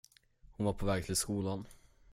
Hon var på väg till skolan.